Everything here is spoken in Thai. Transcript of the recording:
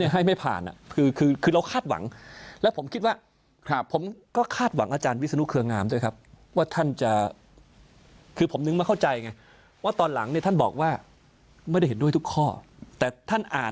เหมือนคำว่าสารรัฐมณูนท่านใดที่เห็นว่า